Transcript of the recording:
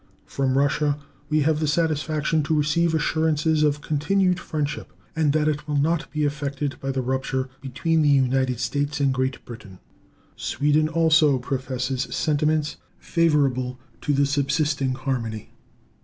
From Russia we have the satisfaction to receive assurances of continued friendship, and that it will not be affected by the rupture between the United States and Great Britain. Sweden also professes sentiments favorable to the subsisting harmony.